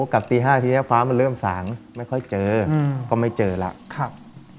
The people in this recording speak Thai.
กลับตี๕ทีนี้ฟ้ามันเริ่มสางไม่ค่อยเจอก็ไม่เจอแล้ว